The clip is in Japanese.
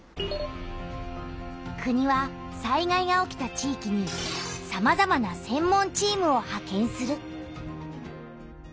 国は災害が起きた地域にさまざまな「専門チーム」をはけんする。